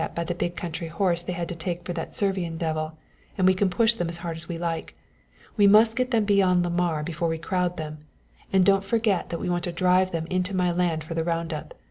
Now they're handicapped by the big country horse they had to take for that Servian devil, and we can push them as hard as we like. We must get them beyond Lamar before we crowd them; and don't forget that we want to drive them into my land for the round up.